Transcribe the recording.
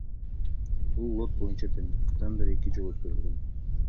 Бул лот боюнча тендер эки жолу өткөрүлгөн.